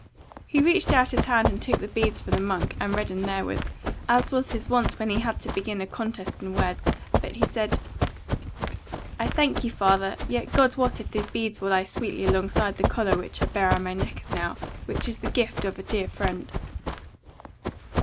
He reached out his hand and took the beads from the monk and reddened therewith, as was his wont when he had to begin a contest in words: but he said: "I thank thee, father; yet God wot if these beads will lie sweetly alongside the collar which I bear on my neck as now, which is the gift of a dear friend."